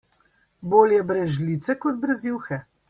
Bolje brez žlice kot brez juhe.